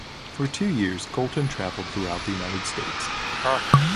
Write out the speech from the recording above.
For two years Colton traveled throughout the United States.